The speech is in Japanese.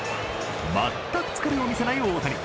全く疲れを見せない大谷。